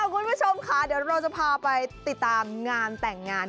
คุณผู้ชมค่ะเดี๋ยวเราจะพาไปติดตามงานแต่งงาน